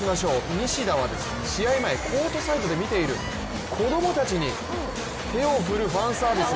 西田は試合前、コートサイドで見ている子供たちに手を振るファンサービス。